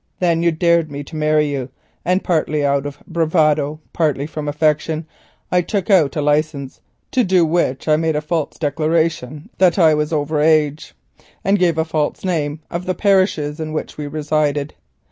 Then you dared me to marry you, and partly out of bravado, partly from affection, I took out a licence, to do which I made a false declaration that I was over age, and gave false names of the parishes in which we resided.